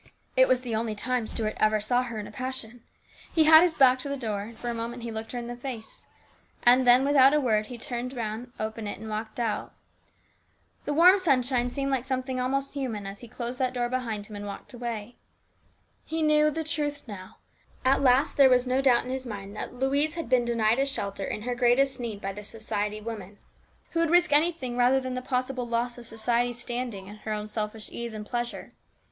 It was the only time Stuart ever saw her in a passion. He had his back to the door, and for a moment he looked her in the face, and then without a word he turned round, opened it, and walked out. The warm sunshine seemed like something almost human as he closed that door behind him and walked away. STEWARDSHIP. 299 He knew the truth now. At last there was no doubt n in his mind that Louise had been denied a shelter in her greatest need by this society woman, who would risk anything rather than the possible loss of society standing and her own selfish ease and pleasure.